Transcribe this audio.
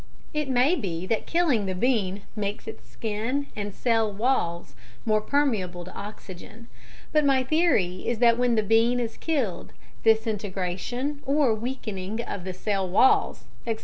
It may be that killing the bean makes its skin and cell walls more permeable to oxygen, but my theory is that when the bean is killed disintegration or weakening of the cell walls, etc.